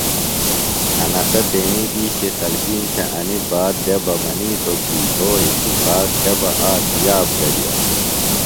انسہ تیݨی دِیشی خلکِیم تھےۡ انیۡ بات دےۡ بہ منِیتو کی یھوئی اتفاق تھےۡ بہ آک یاب گڈِیا۔